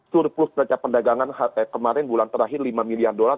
surplus percaya pendagangan kemarin bulan terakhir lima miliar dolar